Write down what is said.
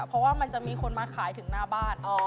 เพราะว่ามันจะมีคนมาขายถึงหน้าบ้าน